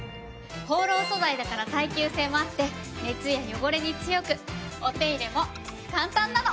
ホーロー素材だから耐久性もあって熱や汚れに強くお手入れも簡単なの！